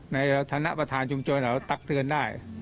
ในฐานะประธานชุมชนเราตักเตือนได้